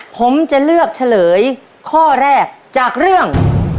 ผมจะเลือกเฉลยข้อแรกจากเรื่อง